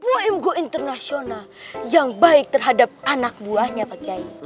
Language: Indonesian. umkm go internasional yang baik terhadap anak buahnya pak kiai